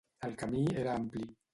El camí era ampli.